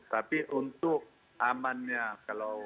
tapi untuk amannya kalau